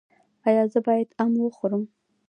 ایا زه باید ام وخورم؟